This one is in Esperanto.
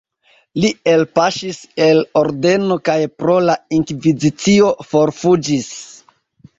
Li elpaŝis el ordeno kaj pro la inkvizicio forfuĝis.